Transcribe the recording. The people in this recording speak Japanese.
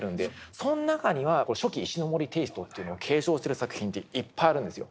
その中には初期石森テイストっていうのを継承してる作品っていっぱいあるんですよ。